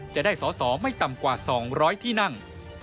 จะได้สอสอไม่ต่ำกว่า๒๐๐ที่นั่ง